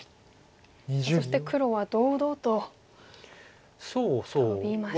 そして黒は堂々とトビました。